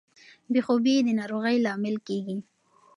بې خوبي د ناروغۍ لامل کیږي.